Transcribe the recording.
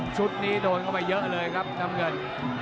ชุดนี้โดนเข้าไปเยอะเลยครับน้ำเงิน